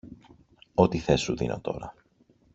Ό,τι θες σου δίνω τώρα!